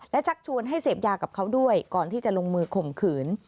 และชักชวนให้เสพยากับเขาด้วยก่อนที่จะลงมือข่มขืน